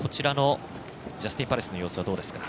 ジャスティンパレスの様子はどうですか？